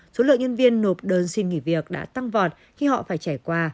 số lượng nhân viên nộp đơn xin nghỉ việc đã tăng vọt khi họ phải trải qua